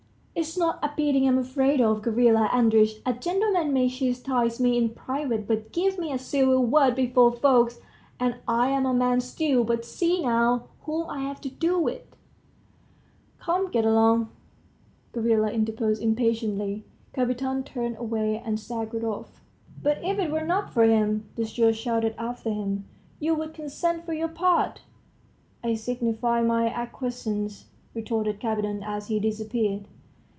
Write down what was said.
It's not a beating I'm afraid of, Gavrila Andreitch. A gentleman may chastise me in private, but give me a civil word before folks, and I'm a man still; but see now, whom I've to do with ..." "Come, get along," Gavrila interposed impatiently. Kapiton turned away and staggered off. "But, if it were not for him," the steward shouted after him, "you would consent for your part?" "I signify my acquiescence," retorted Kapiton as he disappeared.